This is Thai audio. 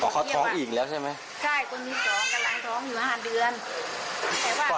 จงต้องไม่เครียดทรัพย์ทุกวัน